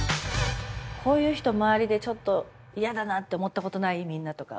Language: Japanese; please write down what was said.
「こういう人周りでちょっとやだなと思ったことない？みんな」とか。